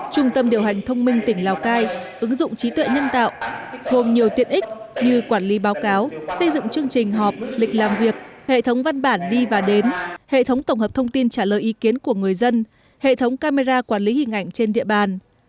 trung tâm điều hành thông minh tỉnh lào cai ứng dụng trí tuệ nhân tạo gồm nhiều tiện ích như quản lý báo cáo xây dựng chương trình họp lịch làm việc hệ thống văn bản đi và đến hệ thống tổng hợp thông tin trả lời ý kiến của người dân hệ thống camera quản lý hình ảnh trên địa bàn